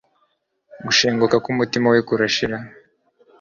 Gushenguka k'umutima we kurashira.